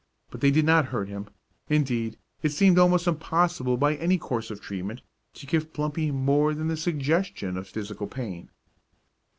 But they did not hurt him. Indeed, it seemed almost impossible by any course of treatment to give Plumpy more than the suggestion of physical pain.